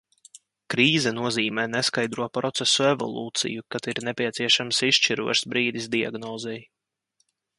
Krīze nozīmē neskaidro procesu evolūciju, kad ir nepieciešams izšķirošs brīdis diagnozei.